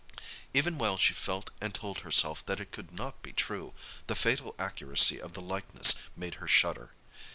Even while she felt and told herself that it could not be, the fatal accuracy of the likeness made her shudder.